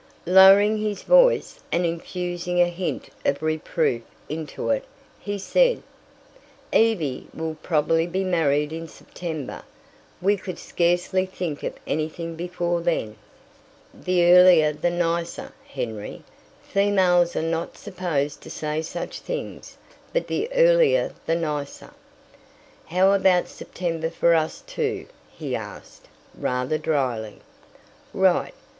Lowering his voice and infusing a hint of reproof into it, he said: "Evie will probably be married in September. We could scarcely think of anything before then." "The earlier the nicer, Henry. Females are not supposed to say such things, but the earlier the nicer." "How about September for us too?" he asked, rather dryly. "Right.